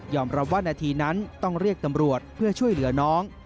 รับว่านาทีนั้นต้องเรียกตำรวจเพื่อช่วยเหลือน้อง